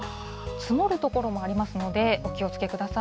積もる所もありますので、お気をつけください。